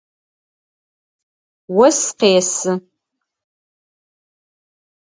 Ос къесы.